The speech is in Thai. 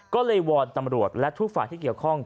ก็เลยวอนตำรวจและทุกฝ่ายที่เกี่ยวข้อง